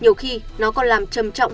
nhiều khi nó còn làm trầm trọng